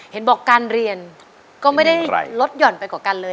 เห็นบอกการเรียนก็ไม่ได้ลดหย่อนไปกว่ากันเลย